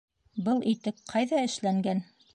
Был итек ҡайҙа эшләнгән?